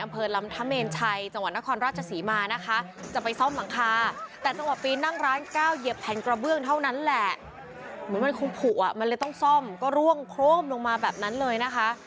บริเวณลำทะเมนชัยจังหวัดนครราชศรีมานะคะจะไปซ่อมหลังคาแต่จังหวัดปีนั่งร้านก้าวเหยียบแผ่นกระเบื้องเท่านั้นแหละเหมือนมันคุ้มผูกอ่ะมันเลยต้องซ่อมก็ร่วงโครมลงมาแบบนั้นเลยนะคะ